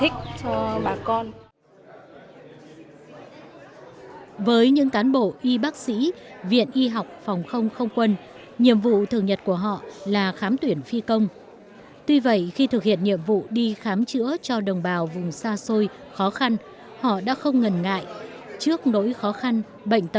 chủ cán bộ y bác sĩ viện y học phòng không không quân đã vượt núi băng ngàn ngược dòng sông mã về khám sức khỏe và cấp thuốc điều trị cho đồng bào các dân tộc của huyện mường lát tỉnh thanh hóa